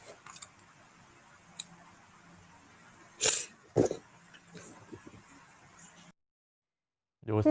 เป็นการดูได้อีกครั้ง